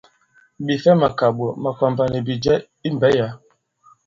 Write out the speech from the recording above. Ɓè fɛ màkàɓò, màkwàmbà nì bìjɛ i mbɛ̌ yǎ.